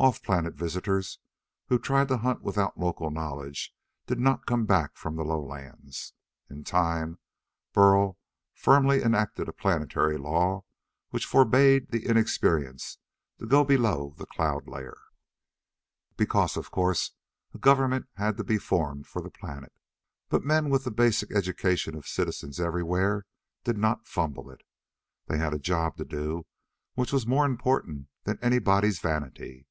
Off planet visitors who tried to hunt without local knowledge did not come back from the lowlands. In time, Burl firmly enacted a planetary law which forbade the inexperienced to go below the cloud layer. Because, of course, a government had to be formed for the planet. But men with the basic education of citizens everywhere did not fumble it. They had a job to do which was more important than anybody's vanity.